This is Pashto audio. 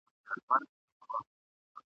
د غونډیو لوړي څوکي او جګ غرونه ..